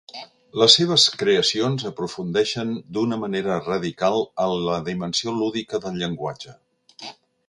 Les seves creacions aprofundeixen d'una manera radical en la dimensió lúdica del llenguatge.